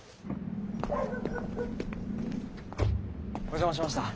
お邪魔しました。